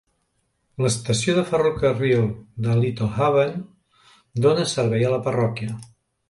L'estació de ferrocarril de Littlehaven dona servei a la parròquia.